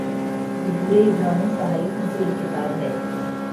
زبور عبرانی صحائف میں سے ایک کتاب ہے